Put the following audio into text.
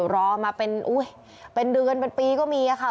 รอมาเป็นอุ๊ยเป็นเดือนเป็นปีก็มีค่ะ